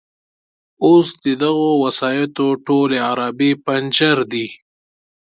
اوس د دغو وسایطو ټولې عرابې پنجر دي.